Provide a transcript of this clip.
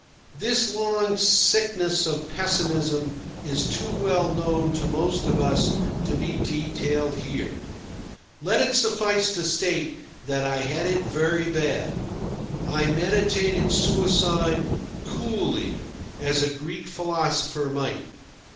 This long sickness of pessimism is too well known to most of us to be detailed here. Let it suffice to state that I had it very bad. I meditated suicide coolly, as a Greek philosopher might.